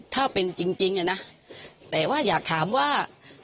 ถ้าเป็นจริงนะแต่ว่าอยากถามว่า